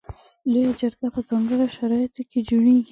لویه جرګه په ځانګړو شرایطو کې جوړیږي.